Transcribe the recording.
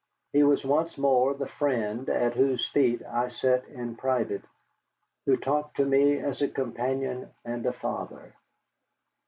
He was once more the friend at whose feet I sat in private, who talked to me as a companion and a father.